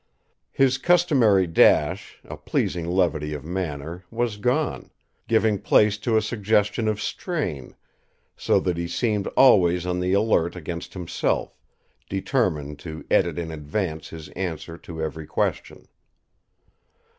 His customary dash, a pleasing levity of manner, was gone, giving place to a suggestion of strain, so that he seemed always on the alert against himself, determined to edit in advance his answer to every question.